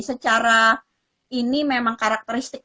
secara ini memang karakteristik